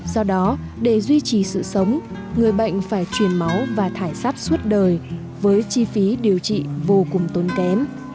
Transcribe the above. do đó để duy trì sự sống người bệnh phải chuyển máu và thải sắp suốt đời với chi phí điều trị vô cùng tốn kém